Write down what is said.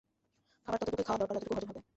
খাবার ততটুকুই খাওয়া দরকার যতটুকু হজম হবে।